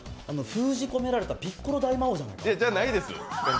封じ込められたピッコロ大魔王じゃないですか。